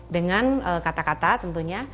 dengan kata kata tentunya